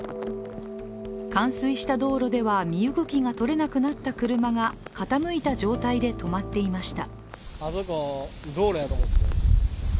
冠水した道路では身動きがとれなくなった車が傾いた状態で止まっていました。